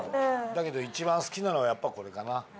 だけど一番好きなのはやっぱこれかな。